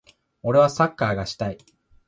俺はサッカーがしたい。